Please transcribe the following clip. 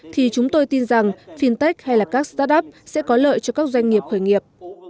thì chúng tôi tin rằng fintech hay là các startup sẽ có lợi cho các doanh nghiệp khởi nghiệp